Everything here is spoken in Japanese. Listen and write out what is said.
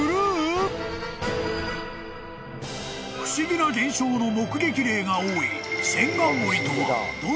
［不思議な現象の目撃例が多い］